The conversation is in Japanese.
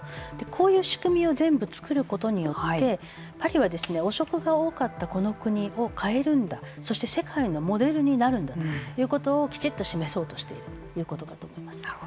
こういう仕組みを全部作ることによってパリは、汚職が多かったこの国を変えるんだそして世界のモデルになるんだということをきちんと示そうとしているということだと思います。